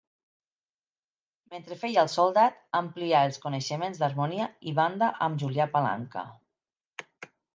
Mentre feia el soldat amplià els coneixements d'harmonia i banda amb Julià Palanca.